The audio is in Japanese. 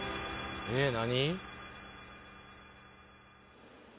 えっ何？